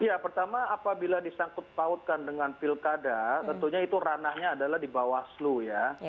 ya pertama apabila disangkut pautkan dengan pilkada tentunya itu ranahnya adalah di bawaslu ya